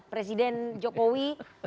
presiden jokowi menyampaikan